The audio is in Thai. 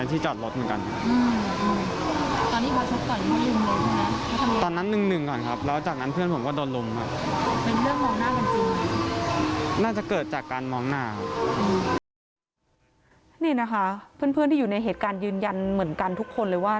นี่นะคะเพื่อนที่อยู่ในเหตุการณ์ยืนยันเหมือนกันทุกคนเลยว่า